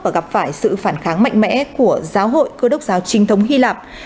và gặp phải sự phản kháng mạnh mẽ của giáo hội cơ đốc giáo trinh thống hy lạp